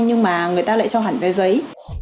nhưng mà người ta lại cho hẳn vé giấy